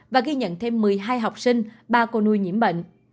và ghi nhận thêm một mươi hai học sinh ba cô nuôi nhiễm bệnh